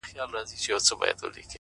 • زړه لکه هينداره ښيښې گلي،